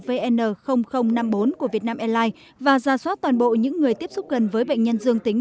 vn năm mươi bốn của vietnam airlines và ra soát toàn bộ những người tiếp xúc gần với bệnh nhân dương tính